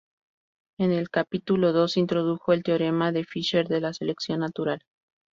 En el capítulo dos, introdujo el teorema de Fisher de la selección natural.